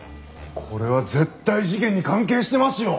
これは絶対事件に関係してますよ！